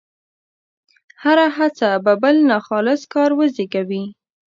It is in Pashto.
هره هڅه به بل ناخالص کار وزېږوي.